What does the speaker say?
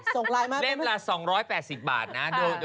ส่งไลน์มาเป็นไหมเล่มละ๒๘๐บาทนะโด่